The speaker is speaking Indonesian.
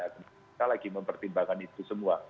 kita lagi mempertimbangkan itu semua